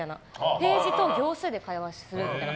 ページと行数で会話するみたいな。